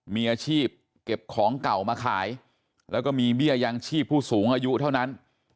มีอาชีพเก็บของเก่ามาขายแล้วก็มีเบี้ยยังชีพผู้สูงอายุเท่านั้น